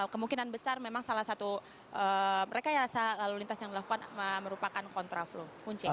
kemungkinan besar memang salah satu rekayasa lalu lintas yang dilakukan merupakan kontra flow punce